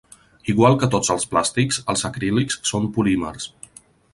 Igual que tots els plàstics, els acrílics són polímers.